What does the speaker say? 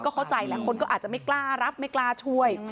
เข้าใจแหละคนก็อาจจะไม่กล้ารับไม่กล้าช่วย